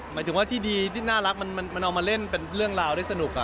หมายถึงว่าที่ดีที่น่ารักมันเอามาเล่นเป็นเรื่องราวได้สนุก